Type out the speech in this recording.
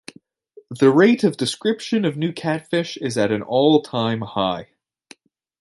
The rate of description of new catfish is at an all-time high.